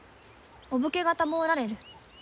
お武家方もおられる。